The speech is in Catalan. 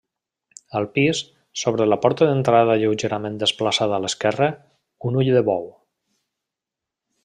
Al pis, sobre la porta d'entrada lleugerament desplaçat a l'esquerra, un ull de bou.